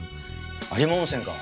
有馬温泉か。